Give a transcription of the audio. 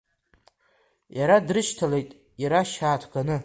Иара дрышьҭалеит ирашь ааҭганы.